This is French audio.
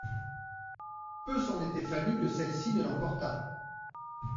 Peu s'en était fallu que celle-ci ne l'emportât.